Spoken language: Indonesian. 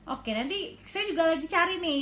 oke nanti saya juga lagi cari nih